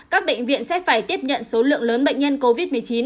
các bệnh viện sẽ phải tiếp nhận số lượng lớn bệnh nhân covid một mươi chín